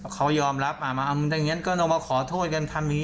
เขายอมรับมาสิต้องมาขอโทษกันทำแบบนี้